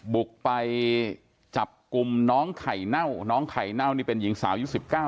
บุกไปจับกลุ่มน้องไข่เน่าน้องไข่เน่านี่เป็นหญิงสาวยุค๑๙